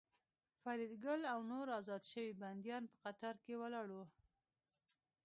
فریدګل او نور ازاد شوي بندیان په قطار ولاړ وو